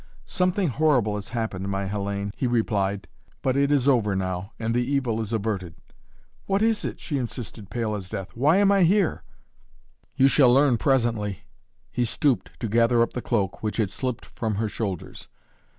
"Something horrible has happened, my Hellayne," he replied. "But it is over now, and the evil is averted." "What is it?" she insisted, pale as death. "Why am I here?" "You shall learn presently." He stooped, to gather up the cloak, which had slipped from her shoulders.